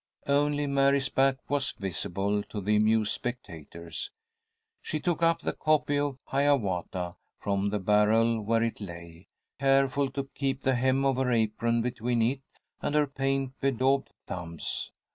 Only Mary's back was visible to the amused spectators. She took up the copy of "Hiawatha" from the barrel where it lay, careful to keep the hem of her apron between it and her paint bedaubed thumbs.